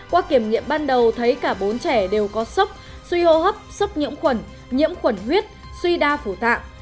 qua kiểm nghiệm ban đầu thấy cả bốn trẻ đều có sốc suy hô hấp sốc nhiễm khuẩn nhiễm khuẩn huyết suy đa phủ tạng